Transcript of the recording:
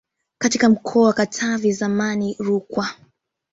katika mkoa wa Katavi zamani Rukwa